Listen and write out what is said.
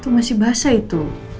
masih basah itu